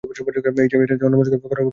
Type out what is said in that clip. এটা যে অন্যমনষ্ক করার কৌশল তা কীভাবে বলি?